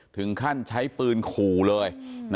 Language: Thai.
ถึงขั้นใช้ปืนขู่เลย